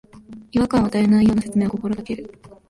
違和感を与えないような説明を心がける